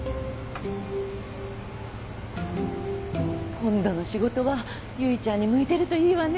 今度の仕事は結ちゃんに向いてるといいわね。